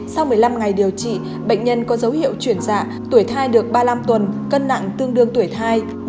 sau một mươi năm ngày điều trị bệnh nhân có dấu hiệu chuyển dạ tuổi thai được ba mươi năm tuần cân nặng tương đương tuổi hai